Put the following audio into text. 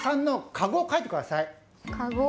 かご。